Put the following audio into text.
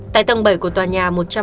tại tầng bảy của tòa nhà